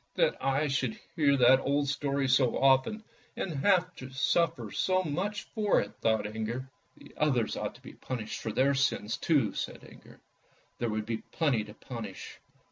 " That I should hear that old story so often, and have to suffer so much for it! " thought Inger. " The others ought to be punished for their sins, too," said Inger; " there would be plenty to punish.